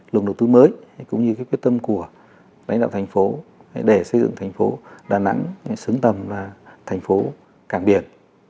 lùng đầu tư mới cũng như quyết tâm của đánh đạo thành phố để xây dựng thành phố đà nẵng xứng tầm thành phố cảng biển